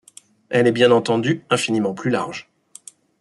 Elle est bien entendu, infiniment plus large.